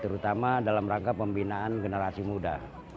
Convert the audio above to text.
terutama dalam rangka pembinaan generasi muda